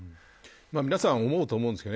皆さん思うと思うんですけど